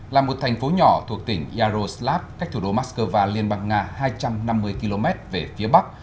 là một thành phố nhỏ thuộc tỉnh yaroslav cách thủ đô moscow liên bang nga hai trăm năm mươi km về phía bắc